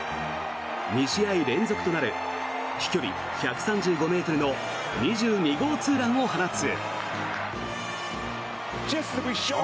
２試合連続となる飛距離１３５ｍの２２号ツーランを放つ。